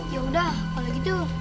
ya udah kalau gitu